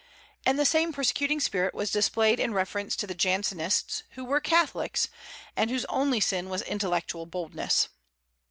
And the same persecuting spirit was displayed in reference to the Jansenists, who were Catholics, and whose only sin was intellectual boldness.